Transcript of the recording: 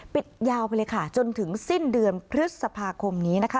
ยาวไปเลยค่ะจนถึงสิ้นเดือนพฤษภาคมนี้นะคะ